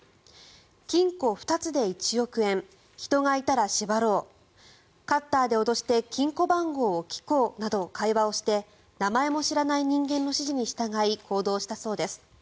金庫２つで１億円人がいたら縛ろうカッターで脅して金庫番号を聞こうなど会話をして名前も知らない人間の指示に従い行動したそうです。